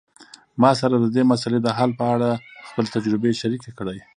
ما سره د دې مسئلې د حل په اړه خپلي تجربي شریکي کړئ